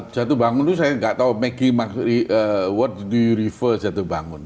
jatuh bangun itu saya nggak tahu what do you refer jatuh bangun